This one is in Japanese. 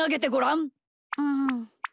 うん。